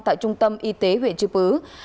tại trung tâm y tế huyện chư pứ